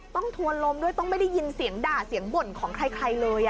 ทวนลมด้วยต้องไม่ได้ยินเสียงด่าเสียงบ่นของใครเลย